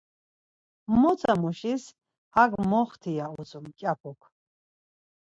Motamuşis 'Hak moxti', ya utzu mǩyapuk!